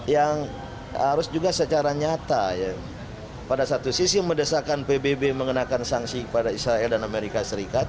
yang harus juga secara nyata pada satu sisi mendesakan pbb mengenakan sanksi kepada israel dan amerika serikat